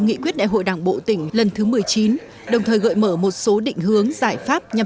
nghị quyết đại hội đảng bộ tỉnh lần thứ một mươi chín đồng thời gợi mở một số định hướng giải pháp nhằm